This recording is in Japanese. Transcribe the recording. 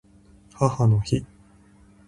母の日